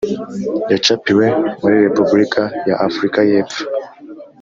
Yacapiwe muri Repubulika ya Afurika y Epfo